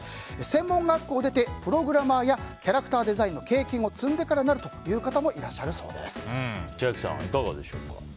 専門学校を出て、プログラマーやキャラクターデザインの経験を積んでからなる方も千秋さん、いかがでしょうか。